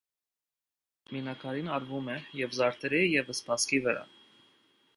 Մինաքարին արվում է և զարդերի և սպասքի վրա։